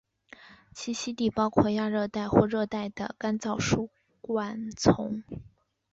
栖息地包括亚热带或热带的干燥疏灌丛。